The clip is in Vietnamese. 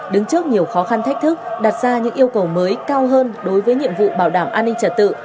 đứng trước nhiều khó khăn thách thức đặt ra những yêu cầu mới cao hơn đối với nhiệm vụ bảo đảm an ninh trật tự